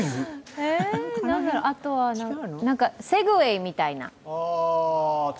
あとは、セグウェイみたいな？